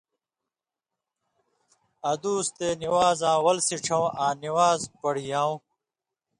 اَدُوس تے نِوان٘زاں وَل سِچھیاؤ، آں نِوان٘ز پڑیاؤ۔